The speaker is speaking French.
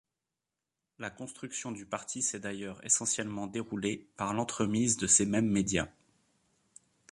La construction du parti s'est d'ailleurs essentiellement déroulée par l'entremise de ces mêmes médias.